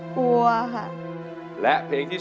กลัวไหมตอนนี้